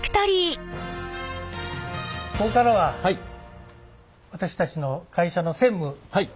ここからは私たちの会社のはい。